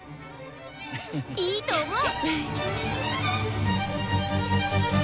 いいと思う！